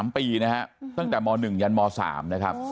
๓ปีนะตั้งแต่มหนึ่งยันมสาม